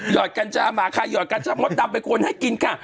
ยอดกัญชามายอดกัญชาหมอดดำนึงมีคนให้กินค่ะ